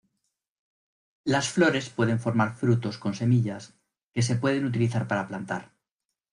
Las flores pueden formar frutos con semillas que se pueden utilizar para plantar.